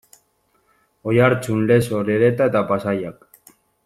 Oiartzun, Lezo, Orereta eta Pasaiak.